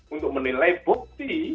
untuk menilai bukti